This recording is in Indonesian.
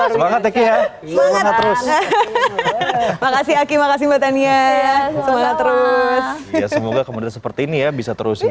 semangat makasih makasih semangat terus semoga kemudian seperti ini ya bisa terus